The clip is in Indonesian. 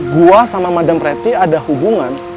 gue sama madam preti ada hubungan